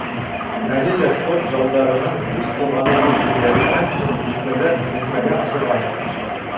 Әле лә спорт залдарының буш торғаны юҡ, дәрестән һуң үҫмерҙәр күнекмәгә ашыға.